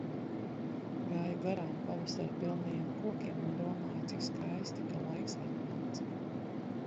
Gāju garām pavasara pilnajiem kokiem un domāju, cik skaisti, ka laiks atnāca.